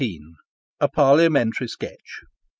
A PARLIAMENTARY SKETCH.